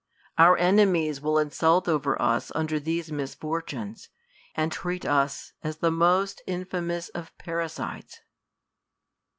Our enC' mies will insult over us under these misfortunes, an( treat us as the most infamous of parricides.